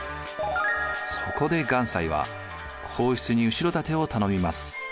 そこで願西は皇室に後ろ盾を頼みます。